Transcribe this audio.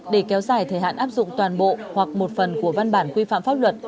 để kéo dài thời hạn áp dụng toàn bộ hoặc một phần của văn bản quy phạm pháp luật